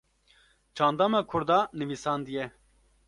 çanda me Kurda nivîsandiye